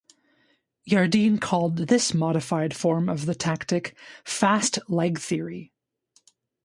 Jardine called this modified form of the tactic "fast leg theory".